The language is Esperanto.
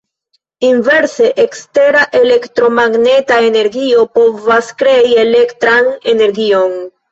Inverse, ekstera elektromagneta energio povas krei elektran energion.